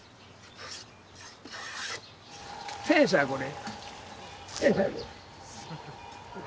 戦車これ。